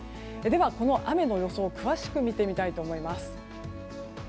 では、この雨の予想詳しく見てみたいと思います。